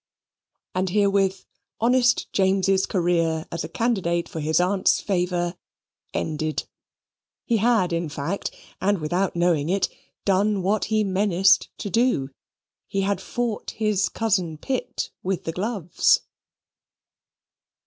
And herewith honest James's career as a candidate for his aunt's favour ended. He had in fact, and without knowing it, done what he menaced to do. He had fought his cousin Pitt with the gloves.